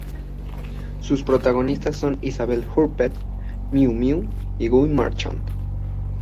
Sus protagonistas son Isabelle Huppert, Miou-Miou y Guy Marchand.